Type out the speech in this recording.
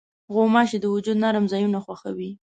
غوماشې د وجود نرم ځایونه خوښوي.